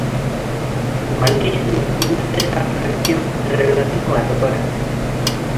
Mantiene una tensa relación con la Dra.